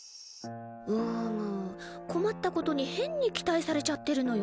うむ困ったことに変に期待されちゃってるのよ